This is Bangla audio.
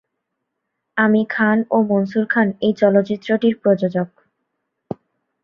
আমির খান ও মনসুর খান এই চলচ্চিত্রটির প্রযোজক।